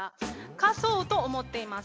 貸そうと思っています。